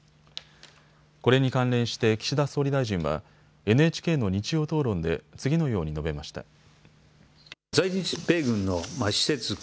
これに関連して岸田総理大臣はＮＨＫの日曜討論で次のように述べました。